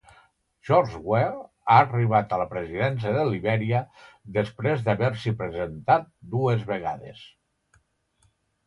George Weah ha arribat a la presidència de Libèria després d'haver-s'hi presentat dues vegades.